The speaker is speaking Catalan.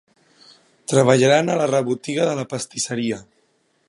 Treballaran a la rebotiga de la pastisseria.